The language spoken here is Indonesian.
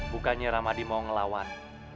bukannya ramadi mau ngelawan